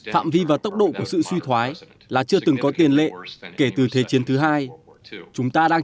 phạm vi và tốc độ của sự suy thoái là chưa từng có tiền lệ kể từ thế chiến thứ hai chúng ta đang